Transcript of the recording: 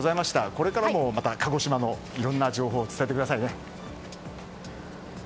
これからもまた鹿児島のいろんな情報を伝えてくださいね。